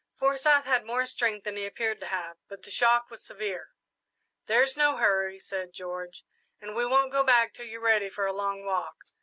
Forsyth had more strength than he appeared to have, but the shock was severe. "There's no hurry," said George, "and we won't go back till you're ready for a long walk.